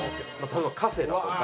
例えばカフェだとか。